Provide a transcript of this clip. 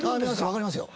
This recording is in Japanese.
分かりますよ。